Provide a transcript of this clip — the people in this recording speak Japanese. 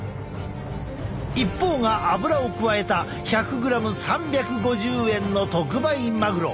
一方がアブラを加えた１００グラム３５０円の特売マグロ。